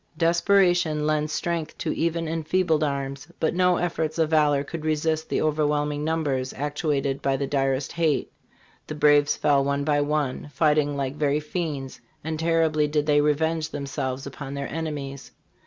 "Desperation lends strength to even enfeebled arms, but no efforts of valor could resist the overwhelming numbers actuated by the direst hate. The braves fell one by one, fighting like very fiends, and terribly did they revenge themselves upon their enemies.